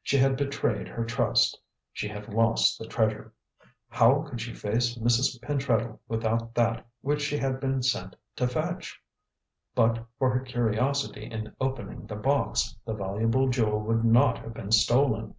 She had betrayed her trust; she had lost the treasure. How could she face Mrs. Pentreddle without that which she had been sent to fetch? But for her curiosity in opening the box, the valuable jewel would not have been stolen.